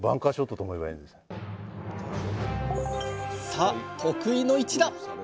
さあ得意の一打！